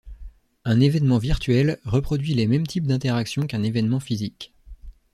Un événement virtuel reproduit les mêmes types d’interactions qu’un événement physique.